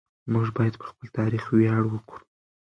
موږ باید پر خپل تاریخ ویاړ وکړو.